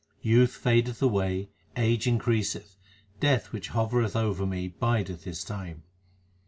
Youth fadeth away, age increaseth, Death which hovereth over me bideth his time.